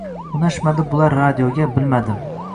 Unashmadi bular radioga, bilmadim.